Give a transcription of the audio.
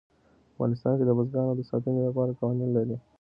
افغانستان د بزګانو د ساتنې لپاره قوانین لري.